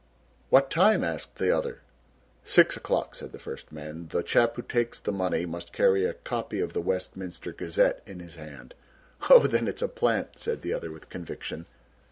"What time!" asked the other. "Six o'clock," said the first man. "The chap who takes the money must carry a copy of the Westminster Gazette in his hand." "Oh, then it's a plant," said the other with conviction.